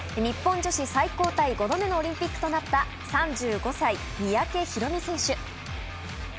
女子最高タイ５度目のオリンピックとなった３５歳、三宅宏実選手。